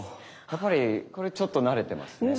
やっぱりこれちょっと慣れてますね。